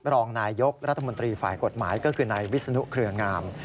รองนายยกรัฐมนตรีฝ่ายกฎหมายก็คือนายวิศนุเครืองาม